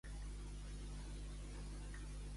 A nuar, a Bétera.